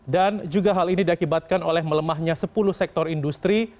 dan juga hal ini diakibatkan oleh melemahnya sepuluh sektor industri